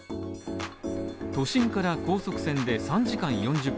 都心から高速船で３時間４０分